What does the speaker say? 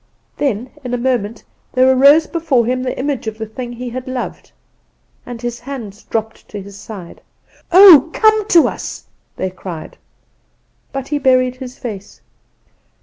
"Then in a moment there arose before him the image of the thing he had loved, and his hand dropped to his side. "'Oh, come to us!' they cried. "But he buried his face.